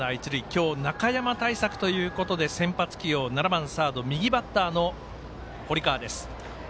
今日、中山対策ということで先発起用７番サード、右バッターの堀川。